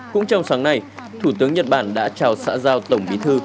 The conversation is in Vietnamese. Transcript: cũng trong sáng nay thủ tướng nhật bản đã chào xã giao tổng bí thư